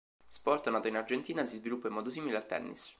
Sport nato in Argentina, si sviluppa in modo simile al tennis.